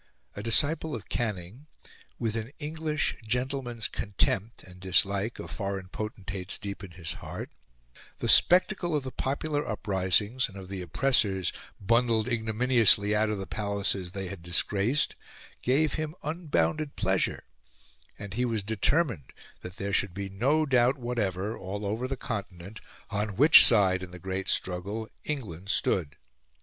A disciple of Canning, with an English gentleman's contempt and dislike of foreign potentates deep in his heart, the spectacle of the popular uprisings, and of the oppressors bundled ignominiously out of the palaces they had disgraced, gave him unbounded pleasure, and he was determined that there should be no doubt whatever, all over the Continent, on which side in the great struggle England stood.